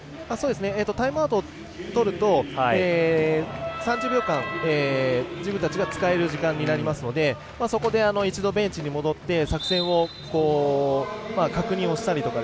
タイムアウトをとると３０秒間、自分たちが使える時間になりますのでそこで一度、ベンチに戻って作戦を確認をしたりとか。